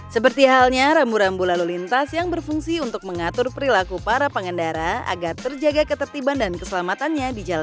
seperti halnya rambu rambu lalu lintas yang berfungsi untuk mengatur perilaku para pengendara agar terjaga ketertiban dan keselamatannya di jalan